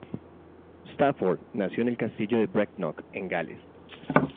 Stafford nació en el castillo de Brecknock, en Gales.